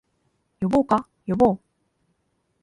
呼ぼうか、呼ぼう